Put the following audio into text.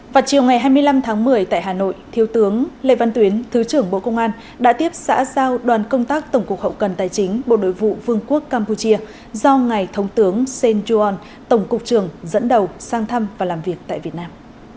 vào chiều ngày hai mươi năm tháng một mươi tại hà nội thiếu tướng lê văn tuyến thứ trưởng bộ công an đã tiếp xã giao đoàn công tác tổng cục hậu cần tài chính bộ nội vụ vương quốc campuchia do ngài thống tướng sen juon tổng cục trưởng dẫn đầu sang thăm và làm việc tại việt nam